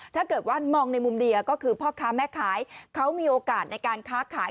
ถ้าเกิดว่ามองในมุมเดียวก็คือพ่อค้าแม่ขายเขามีโอกาสในการค้าขาย